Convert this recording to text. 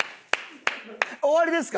終わりですか？